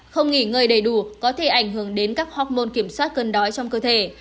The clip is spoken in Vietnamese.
không nghỉ ngơi đầy đủ có thể ảnh hưởng đến các hocmon kiểm soát cân đói trong cơ thể